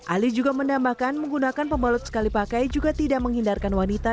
ali juga menambahkan menggunakan pembalut sekali pakai juga tidak menghindarkan wanita